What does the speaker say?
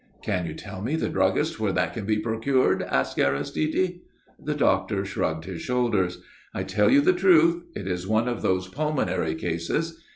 "Can you tell me the druggist's where that can be procured?" asked Aristide. The doctor shrugged his shoulders. "I tell you the truth. It is one of those pulmonary cases.